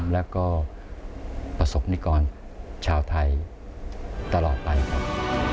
แล้วก็ประสบนิกรชาวไทยตลอดไปครับ